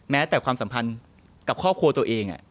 แม้แต่ความสัมพันธ์กับครอบครัวตัวเอง